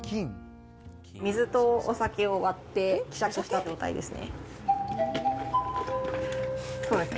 水とお酒を割って、希釈した状態ですね。